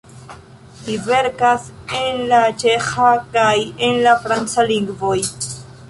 Li verkas en la ĉeĥa kaj en la franca lingvoj.